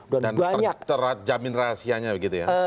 dan terjamin rahasianya begitu ya